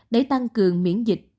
để tăng cường miễn dịch